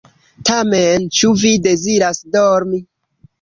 Tamen, ĉu vi deziras dormi?